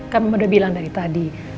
kamu udah bilang dari tadi